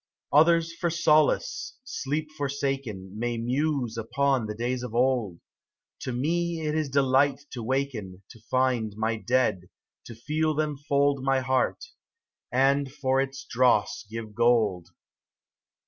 Others for solace, sleep forsaken. May muse upon the days of old ; To me it is delight to waken, To find my Dead, to feel them fold My heart, and for its dross give gold.